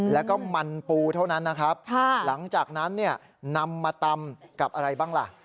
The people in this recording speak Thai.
แล้วก็มันปูเท่านั้นนะครับหลังจากนั้นเนี่ยนำมาตำกับอะไรบ้างล่ะ